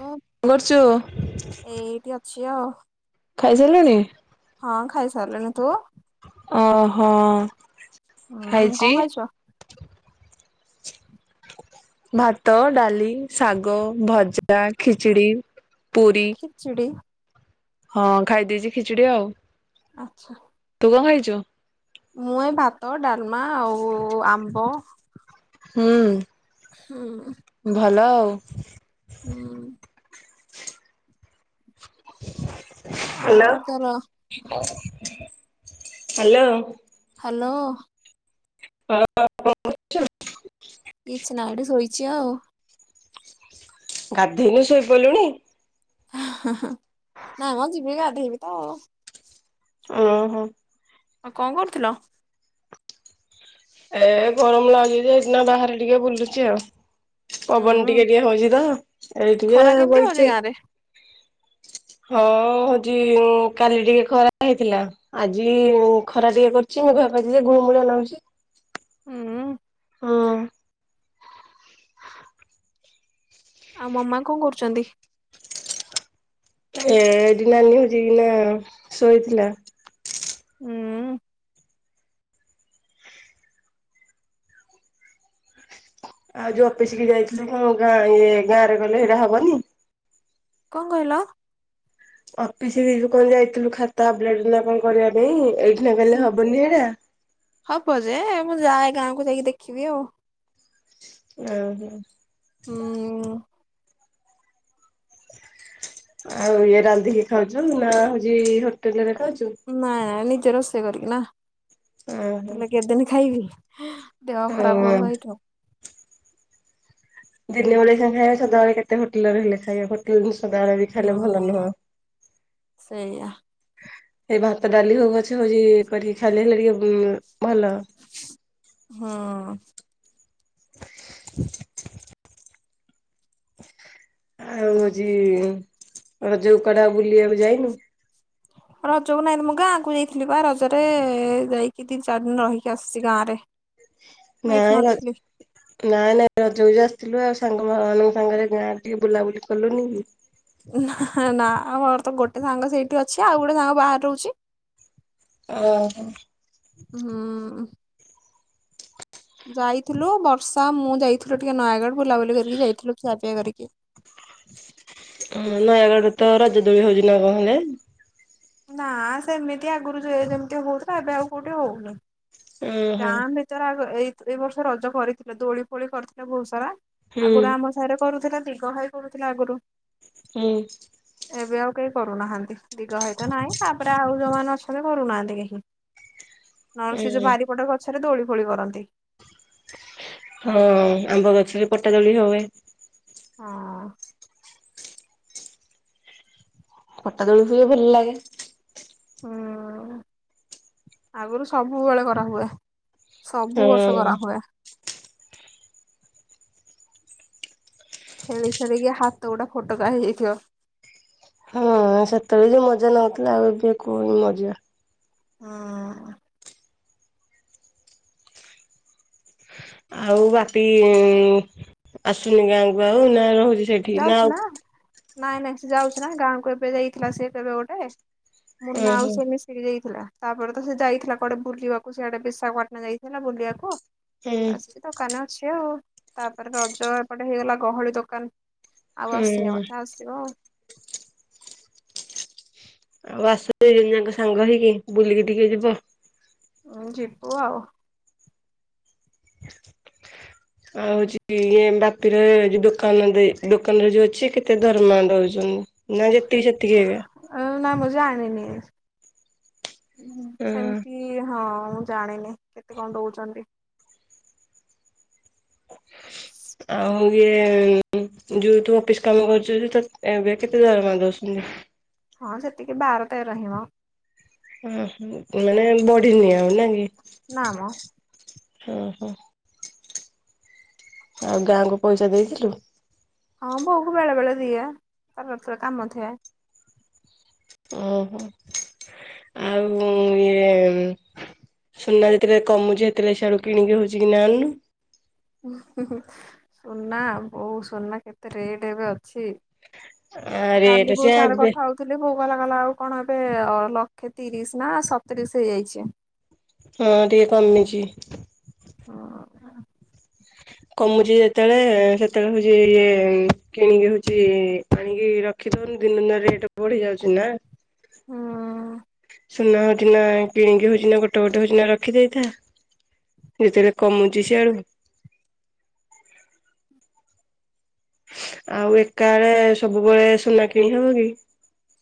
ମୁଁ କଣ କରୁଛୁ? ଏୟା ଆଉ। ଖାଇ ସାଇଲୁଣି? ହଁ ଖାଇ ସାରିଲିଣି ତୁ? ଓହୋ ହୁଁ ଖାଇଛି। କଣ ଖାଇଛ? ଭାତ ଡାଲି ଶାଗ ଭଜା କେଚିଡି। ଖିଚିଡି? ହଁ ଖାଇ ଦେଇଛି ଖିଚିଡି ଆଉ। ଆଚ୍ଛା। ତୁ କଣ ଖାଇଛୁ? ମୁଁ ଏଇ ଭାତ, ଡାଲମା ଆଉ ଆମ୍ବ। ହୁଁ। ହୁଁ। ଓ। ହୁଁ। ହାଲୋ ଆଉ ତୋର ହ୍ୟାଲୋ। ହ୍ୟାଲୋ। କଣ କହୁଛୁ? କିଛି ନା ଏଇଠି ଶୋଇଛି ଆଉ। ଗାଧେଇନୁ ଶୋଇପଇଲୁଣି? [inaudible] ନାଇଁ ମ ଯିବି ଗାଧେଇବି ତ ଆଉ। ଓ ହୋ। କଣ କରୁଥିଲ? ଏ ଗରମ ଲାଗୁଛି ଯେ ଏଇଦିନ ବାହାରେ ଟିକେ ବୁଲୁଚି ଆଉ। ପବନ ହୁଁ। ଟିକେ ଟିକେ ହଉଛି ତ ଏଇ ଟିକେ ଖରା କେମିତି ହଉଛି ବଇଚି। ଗାଁ ରେ? ହଁ ହଉଛି କାଲି ଟିକେ ଖରା ହେଇଥିଲା ଆଜି ଖରା ଟିକେ କରିଛି। ମେଘୁଆ କରିଚି ଗୁଲୁମୁଳିଆ ନାଉଛି। ହୁଁ। ହୁଁ ଆଉ ମମା କଣ କରୁଛନ୍ତି? ଏ ଏଇଠି ନାନୀ ହଉଛି କିନା ଶୋଇଥିଲା। ହୁଁ। ଆଉ ଯୋଉ ଅଫିସିକି ଯାଇଥିଲେ କଣ ଗାଁ ଇଏ ଗାଁ ରେ କହିଲେ ସେଇଟା ହବନି। କଣ କହିଲ? ଅଫିସ କୁ ଯୋଉ କଣ ଯାଇଥିଲୁ ଖାତା ଆପଡେଟ ନା କଣ କରିବା ପାଇଁ ଏଇଠି- ନା କହିଲେ ହବନି ଏଟା। ରେ ମୁଁ ଯାଏ ଗାଁକୁ ଯାଇକି ଦେଖିବି ଆଉ। ଓ ହୋ। ହୁଁ। ଆଉ ଇଏ ରାନ୍ଧିକି ଖାଉଛ ନା ହଉଛି ହୋଟେଲରେ? ଖାଉଛୁ? ନାଁ ନିଜେ ରୋଷେଇ କରିକି ନା ଓହୋ ହୋଟେଲ ରେ କେଦିନ ଖାଇବି। ଦେହ ଖରାପ ହଁ। ହବ ଭ ଏ ତ। ଦିନ ବେଳିକା ଖାଇବା ସଦାବେଳେ କେତେ ହୋଟେଲେ ରେ ହେଲେ ଖାଇବା ହୋଟଲେ ସଦାବେଳେ ବି ଖାଇଲେ ଭଲ ହୁଁ ନୁହଁ। ସେଇଆ ଏଇ ଭାତ ଡାଲି ହଉ ପଛେ ହଉଛି କରିକି ଖାଇଲେ ହେଲେ ଟିକେ। ଭଲ। ହୁଁ। [inaudible] ଆଉ ହଉଛି ରଜକୁ କୁଆଡେଆଉ ବୁଲିବାକୁ ଯାଇନୁ? ରଜକୁ ନାହିଁ ମୁଁ ଗାଁ କୁ ଯାଇଥିଲି ବା ରଜରେ ଯାଇକି ତିନି ଚାରି ଦିନ ରହିକି ଆସିଛି ଗାଁ ରେ। [inaudible] ମୁଁ ଏଠି ନାଇଁ ର ନଥିଲି। ନାଇଁ ନାଇଁ ରଜ ହ ଆସିଥିଲୁ ଆଉ ସାଙ୍ଗ ମାନଙ୍କ ସାଙ୍ଗରେ ଗାଁ ଟିକେ ବୁଲାବୁଲି କଲୁନି କି? ନାଁ ନାଁ ଆମର ତ ଗୋଟେ ସାଙ୍ଗ ସେଇଠି ଅଛି ଆଉ ଗୋଟେ ସାଙ୍ଗ ବାହାର ରହୁଛି। ଓ ହୋ ହୁଁ। ଯାଇଥିଲୁ ବର୍ଷା ମୁଁ ଯାଇଥିଲୁ ଟିକେ ନୟାଗଡ଼ ବୁଲାବୁଲି କରିକି ଯାଇଥିଲୁ ଖିଆପିଆ କରିକି। [inaudible] ହଁ ନୟାଗଡରେ ତ ରଜ ଦୋଳି ହଉଛି ନା କଣ ହେଣେ ନା ସେମିତି ଆଗରୁଜ ଯେମିତି ହଉ ତ ଏବେ ଆଉ କୋଉଠି ହଉନି। ଓହୋ। ଗାଁ ଭିତରେ ଆଗ ଏଇ ଏଇ ବର୍ଷ ରଜ କରିଥିଲେ ଦୋଳି ଫୋଳି କରିଥିଲେ ବହୁତ ସାରା ହୁଁ ଆଗରୁ ଆମସାହିରେ କରୁଥିଲା ଦିଘ ଭାଇ କରୁଥିଲା ଆଗରୁ। ହୁଁ। ଏବେ ଆଉ କେହି କରୁନାହାନ୍ତି ଦିଗ ଭାଇ ତ ନାହିଁ ତାପରେ ଆଉ ଯୋଉମାନେ ଅଛନ୍ତି କରୁନାହାନ୍ତି କେହି। [inaudible] ନହେଲେ ସେ ଯୋଉ ହୁଁ ବାରିପଟର ଗଛରେ ଦୋଳି ଫୋଳି କରନ୍ତି। ହଁ ଆମ୍ବ ଗଛରେ ପଟା ଦୋଳି ହୁଏ। ହଁ। ପଟା ଦୋଳି ହୁଏ ଭଲଲାଗେ। ହୁଁ ଆଗରୁ ସବୁବେଳେ କରନ୍ତି [inaudible] ହଁ ସବୁ ବର୍ଷ କରା ହୁଏ। ଖେଳି ଖେଳିିକି ହାତ ଗୋଡ଼ା ଫଟୋକା ହେଇଯାଇଥିବ। ହଁ ସେତେବେଳେ ଯେ ମଜା ନଉଥିଲା ଆଉ ଏବେ କୁହନି ମଜା। ହଁ। ଆଉ ବାପି ଆସୁନି ଗାଆଁକୁ ଆଉ ନା ରହୁ ସେଠି ନା ଆଉ ନାଇଁ ନାଇଁ ସେ ଯାଉଛି ନା ଗାଁକୁ ଏବେ ଯାଇଥିଲା ସିଏ କେବେ ଗୋଟେ। ମୁନା ଆଉ ଓହୋ ସେ ମିଶିକି ଯାଇଥିଲା। ତାପରେ ତ ସେ ଯାଇଥିଲା କୁଆଡେ ବୁଲିବାକୁ ସିଆଡେ ବିଶାଖପାଟନା ଯାଇଥିଲା ବୁଲିବାକୁ। ହୁଁ ଆସିକି ଦୋକାନରେ ଅଛି ଆଉ ତାପରେ ରଜ ଏପଟେ ହେଇଗଲା ଗହଳି ଦୋକାନ। ଆଉ ଆସିନି ହୁଁ। [inaudible] ଆସିବ। ଆଉ ଆସ ଦିଜଣ ଯାଙ୍କ ସାଙ୍ଗ ହେଇକି ବୁଲିକି ଟିକେ ଯିବ। ଉଁ ଯିବୁ ଆଉ। [inaudible] ଆଉ ହଉଛି ଇଏ ବାପିର ଯୋଉ ଦୋକାନ ଦେଇ ଦୋକାନରେ ଯୋଉ ଅଛି କେତେ ଦରମା ଦଉଛନ ନା ଯେତିକି ସେତିକି ଏ ନା ମୁଁ ଜାଣିନି ହଁ ସେମିତି ହଁ। ମୁଁ ଜାଣିନି କେତେ କଣ ଦଉଛନ୍ତି। [unintelligible] ଆଉ ଇଏ ଯୋଉ ତୁ ଅଫିସ କାମ କରୁଛୁ ତ ଏବେ କେତେ ଦରମା ଦଉସୁନ୍ତି। [unintelligible] ହଁ ସେତିକି ବାର ତେର ହିଁ ମ। ଓଃ ମାନେ ବଢି ନିିଆଉ ନା କି। ନା ମ। ଓ ହୋ। ଆଉ ଗାଁକୁ ପଇସା ଦେଇଥିଲୁ। ହଁ ବୋଉକୁ ବେଳେ ବେଳେ ଦିଏ ତାର ଯେତେବେଳେ କାମ ଥାଏ। ଓହୋ ଆଉ ୟେ ଓସୁନା ଯେତେବେଳେ କମୁଛି ହେତେବେଳେ ସିଆଡୁ କିଣିକି ହଉଛି କି ନା ଆଣୁନୁ। ହୁଁ ହୁଁ ହୁଁ ସୁନା ବୋଉ ସୁନା କେତେ ରେଟ ଏବେ ଅଛି। ଆରେ ରେଟ କାଲି ସେ ବୋଉ ସାରେ ଏବେ କଥା ହଉଥିଲି ବୋଉ ଗଲା କଲା ଆଉ କଣ ଏବେ ଲକ୍ଷେ ତିରିଶ ନା ସତିରିଶ ହେଇଯାଇଛି। ହଁ ଟିକେ କମିଛି। ହଁ। କମୁଛି ଯେତେବେଳେ ସେତେବେଳେ ହଉଛି ଇଏ କିଣିକି ହଉଛି ଆଣିକି ରଖି ଦିନ ଦିନ ରେଟ ବଢି ଯାଉଛି ନା। ହଁ। ସୁନା ହଉଛି ନା କିଣିକି ହଉଛି ନା ଗୋଟେ ଗୋଟେ ହଉଛି ନା ରଖି ଦେଇଥା। ଯେତେବେଳେ କମୁଛି ସିଆଡୁ ଆଉ ଏକାଳେ ସବୁବେଳେ ସୁନା କିଣି ହବ କି?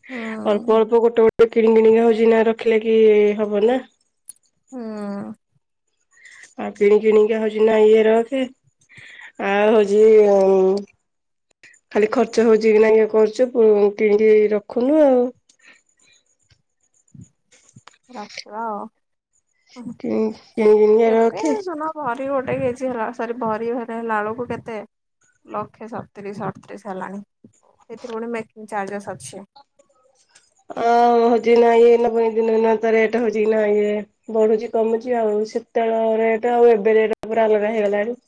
ହୁଁ ଅଳ୍ପ ଅଳ୍ପ ଗୋଟେ ଗୋଟେ କିଣି କିଣିକା ହଉଛି ନା ରଖିଲେ କି ହବ ନା। ହଁ। ଆଉ କିଣି କିିଣିକା ହଉଛି ନା ଇଏ ରଖେ। ଆଉ ହଉଛି ଖାଲି ଖର୍ଚ୍ଚ ହଉଛି କି ନାଇ କରୁଛୁ କିଣିକି ରଖୁନୁ ଆଉ। [unintelligible] ରଖିବା ଆଉ। କିଣ କିଣି କିଣିକା ଏତେ ରଖେ। ସୁନା ଭରି ଗୋଟେ କେଜି ହେଲା ସରି ଭରି ହେଲେ ହେଲାଳୁକୁ କେତେ? ଲକ୍ଷେ ସତତିରିଶ ଅଠତିରିଶ ହେଲାଣି ସେଥିରେ ପୁଣି ମେକିଂ ଚାର୍ଜେସ୍ ଅଛି। ଅ ହଉଛି ନାଇଁ [inaudible] ରେଟ ହଉଛି କି ନାଇଁ ବଢୁଛି କମୁଛି ଆଉ ସେତେଳ ରେଟ୍ ଆଉ ଏବେ ରେଟ ପୁରା ଅଲଗା ହେଇଗଲାଣି।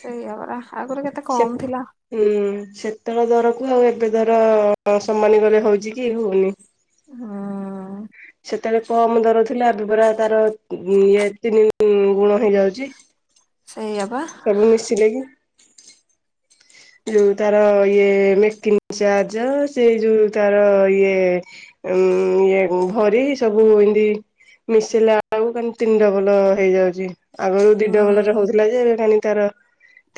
ସେଇୟା ପରା ଆଗରୁ କେତେ ସେ କମ ଥିଲା ହୁଁ ସେ ସେତେଳ ଦରକୁ ଆଉ ଏବେ ଦର ସମାନି କଲେ ହଉଛି କି ହଉନି। ହଁ। ସେତେବେଳେ କମ ଦର ଥିଲା ଏବେ ପରା ତାର ଇ ତିନି ଗୁଣ ହେଇଯାଉଛି। ସେଇଆ ବା ସବୁ ମିଶିଲେ କି। ଯୋଉ ତାର ଇଏ ମେକିଙ୍ଗି ଚାର୍ଜ ସେ ଯୋଉ ତାର ଇଏ ଉ ଇଏ ଭରି ସବୁ ଏମତି ମିଶିଲେ ଆଉ କାନି ତିନି ଡବଲ ହେଇଯାଉଛି। ଆଗରୁ ଦି ଡବଲ ରେ ହୁଁ। ହଉଥିଲା ଯେ ତାର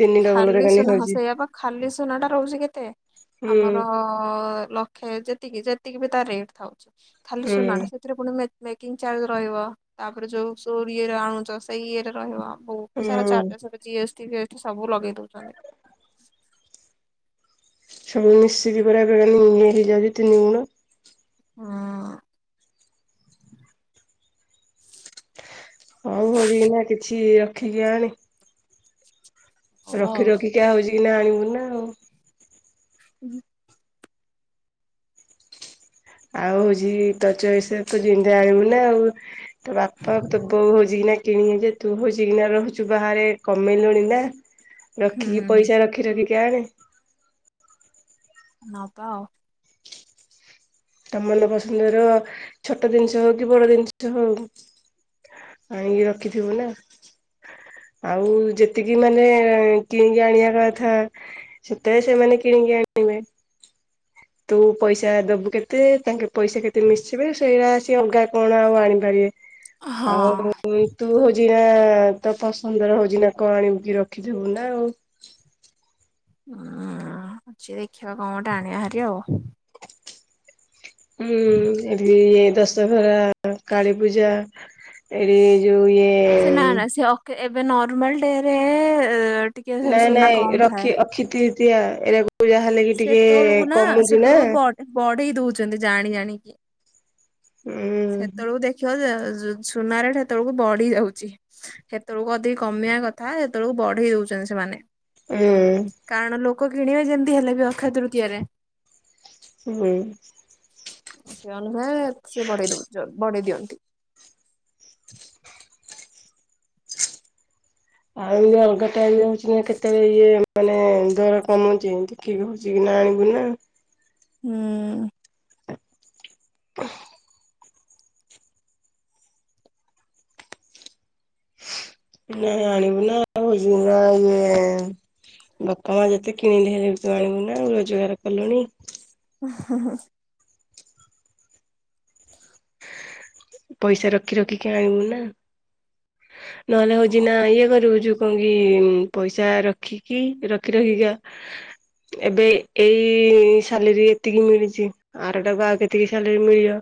ତିନି ଡବଲ ରେ ଖାଲି ଏକାନି ସୁନା ହଁ ହଉଛି। ସେଇଆ ବା ଖାଲି ସୁନା ଟା ରହୁଛି କେତେ ହୁଁ ଆମର ଲକ୍ଷେ ଯେତିକି ସେତିକି ବି ତା ରେଟ ଥାଉଛି ଖାଲି ହୁଁ ସୁନା ଟା ସେଥିରେ ପୁଣି ମେକିଂ ଚାର୍ଜ ରହିବ ତାପରେ ଯୋଉ ସୋର ଇଏରେ ଆଣୁଛ ସେଇ ଇଏରେ ରହିବ। ବହୁତ ସାରା ହୁଁ ଚାର୍ଜା ଜି ଏସ୍ ଟି ଫି ଏସ୍ଟି ସବୁ ଲଗେଇ ଦଉଛନ୍ତି। ସବୁ ମିଶିକି ପରା ଏବେ ଏକାନି ହେଇଯାଉ ତିନି ଗୁଣ। ହଁ। ହଉ ହଉ ଏଇନା କିଛି ରଖିକି ଆଣି ହଉ ଆଉ। ରଖି ରଖି ହଉଛି କିନା ଆଣିବି ନା ଆଉ। ହୁଁ। ଆଉ ହଉଛି ତ ଚୟସ ତୁ ଜେମିତିଆ ଆଣିବୁ ନା ଆଉ ତୋ ବାପା ତୋ ବୋଉ ହଉଛି କିଣିବ ଯେ ତୁ ହଉଛିିନା ରହୁଛୁ ବାହାରେ କମେଇଲୁଣି ନା। ରଖିକି ପଇସା ରଖି ରଖିକି ଆଣେ। ନବା ଆଉ। ତ ମନ ପସନ୍ଦର ଛୋଟ ଜିନିଷ ହଉ କି ବଡ ଜିନିଷ ହଉ ଆଣିକି ରଖିଥିବୁ ନା ଆଉ। ଆଉ ଯେତିକି ମାନେ କିଣିକି ଆଣିବା କଥା ସେତେବେଳେ ସେମାନେ କି [inaudible] ତୁ ପଇସା ଦବୁ କେତେ ତାଙ୍କେ ପଇସା କେତେ ମିଶିବେ ସେଇଆ ସେ ଅଲଗା କଣ ଆଉ ଆଣିପାରିବେ ଆଉ ହଁ ତୁ ହଉ ନା ତ ପସନ୍ଦର ହଉଛିନା କ ଆଣିବ କି ରଖିଥିବୁ ନା ଆଉ। ହୁଁ ଅଛି ଦେଖିବା କଣ ଗୋଟେ ଆଣିବାହାରି ଆଉ [inaudible] ହୁଁ ଏଲିଏ ଦଶହରା କାଳୀ ପୂଜା ଏଡି ଯୋଉ ସେ ନା ଇଏ ନା ସେ ଅକେ ଏବେ ନର୍ମାଲ ଡେ ରେ ଟିକେ ନାଇଁ ସୁନା ନାଇଁ କମ ଥାଏ ରଖି ଅକ୍ଷି ତୃତୀୟା ଏରାକୁ ଯାହାହେଲେ କି ଟିକେ ସେତେବେଳକୁ ନା କମୁଛି ନା ସେତେବେଳକୁ ବ ବଡ ଦଉଛନ୍ତି ଜାଣି ଜାଣିକି ହୁଁ ସେତେବେଳକୁ ଦେଖିବ ସୁନା ରେଟ ହେତେବେଳକୁ ବଢି ଯାଉଛି ହେତେବେଳକୁ ଅଧିକ କମିବା କଥା ହେତେବେଳକୁ ବଢେଇ ଦଉଛ ସେମାନେ ହୁଁ। କିଣିବା ଯେମତି ହେଲେ ବି ଅକ୍ଷୟ ତୃତୀୟରେ ହୁଁ। ସେ ଅନୁସାରେ ସିଏ ବଢେଇ ଦଉ ବଢେଇ ଦିଅନ୍ତି। ଆଉ ଇଏ ଅଲଗା ଟାଇମ ହୋଉଛି କେତେବେଳେ ଇଏ ମାନେ ଦର କମୁଛି ଏମିତିକି ହଉଛି କି ନା ଆଣିବୁ ନା ହୁଁ। [inaudible] ନାଇଁ ଆଣିବୁ ନା ଭୋ ଇଏ ବାପା ମା ଯେତେ କିଣି ଆଣିବୁ ନା ରୋଜଗାର କଲୁଣି ଓ ହ ହ ପଇସା ରଖି ରଖିକି ଆଣିବୁ ନା ନହେଲେ ହଉଛି ନା ଇଏ କରିବୁ ଯୁ କଣ କି ପଇସା ରଖିକି ରଖି ରଖିକା ଏବେ ଏଇ ସାଲେରୀ ଏତିକି ମିଳିଛି, ଆର ଟାକୁ ଆଉ କେତିକି ସାଲେରୀ ମିଳିବ।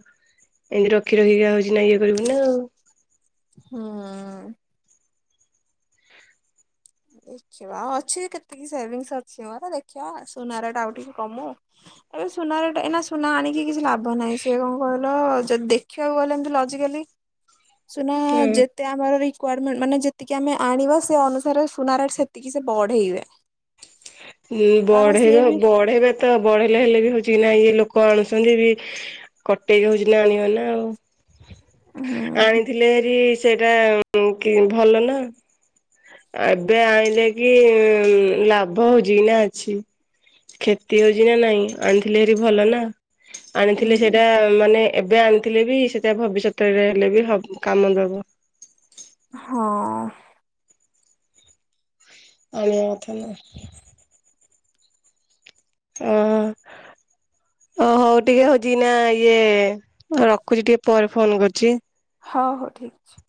ଏଇ ରଖି ରଖିକି ହଉଛି ନା ଇଏ କରିବୁ ନା ଆଉ। ହଁ। ଦେଖିବା ଅଛି କେତିକି ସେଭିଙ୍ଗସ ଅଛି ମୋର ଦେଖିବା ସୁନାରେଟା ଆଉ ଟିକେ କମୁ ଏବେ ସୁନା ରେଟ୍ ଏଇନା ସୁନା ଆଣିକି କିଛି ଲାଭ ନାହିଁ, ସିଏ କଣ କହିଲ ଯଦି ଦେଖିବାକୁ ଗଲେ ଏମିତି ଲଜିକା ନା ଯେତେ ଆମର ରିକ୍ୱାରମେଣ୍ଟ ମାନେ ଯେତିକି ଆମେ ଆଣିବା ସେ ଅନୁସାରେ। ସୁନାରଟ ସେତିକି ସେ ବଢ଼େଇବେ। ବଢେଇବା ବି ବଢେଇବେ ତ ବଢେଇଲେ ହେଲେ ବି ହଉଛି କି ନା ଇଏ ଲୋକ ଲୋକ ଆଣୁଛନ୍ତି ବି କଟେଇ ହୋଉଛି ନା ଆଣିବ ନା ଆଉ। ହୁଁ ଆଣିଥିଲେ ହେରି ସେଇଟା ଭଲ ନା ଏବେ ଆଣିଲେ କି ଲା ଲାଭ ହଉଛି ନା ଅଛି କ୍ଷତି ହଉଛି ନା ନାଇଁ ଆଣିଥିଲି ହେରି ଭଲ ନା ଆଣିଥିଲେ ହୁଁ ସେଇଟା ମାନେ ଏବେ ଆଣିଥିଲେ ବି ସେଟା ଭବିଷ୍ୟତରେ ହେଲେ ବି କାମ ଦବ ହଁ ଆଣିବା କଥା ନା। ହଁ। ଓ ହଉ ଟିକେ ହଉଛି ନା ଇଏ ରଖୁଛି ଟିକେ ପରେ ଫୋନ କରୁଛି। ହ ହଉ ଠିକ ଅଛି।